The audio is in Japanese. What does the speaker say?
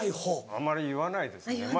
あんまり言わないですね。